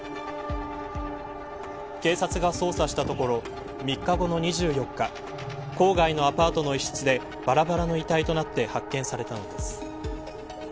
警察が捜査したところ３日後の２４日郊外のアパートの一室でばらばらの遺体となって発見されたのです。